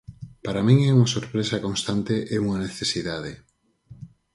Para min é unha sorpresa constante e unha necesidade.